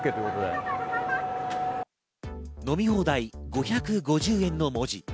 飲み放題５５０円の文字。